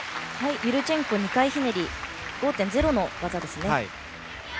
ユルチェンコ２回ひねり５．０の技ですね。